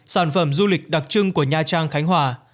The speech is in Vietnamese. sản phẩm du lịch đặc trưng của nha trang khánh hòa